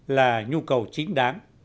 là nhu cầu chính đáng